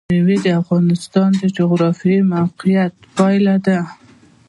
مېوې د افغانستان د جغرافیایي موقیعت پایله ده.